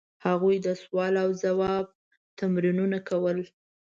هغوی د سوال او ځواب تمرینونه کول.